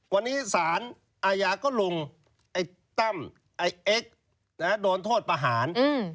วันนี้สารอาญาก็ลงไอ้ตั้มไอ้เอ็กซ์โดนโทษประหาร